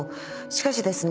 しかしですね